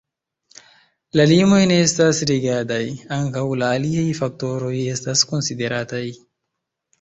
La limoj ne estas rigidaj, ankaŭ la aliaj faktoroj estas konsideritaj.